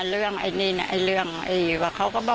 แล้วก็